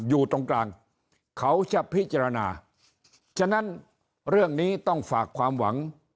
อยู่ตรงกลางเขาจะพิจารณาฉะนั้นเรื่องนี้ต้องฝากความหวัง